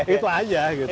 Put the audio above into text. itu aja gitu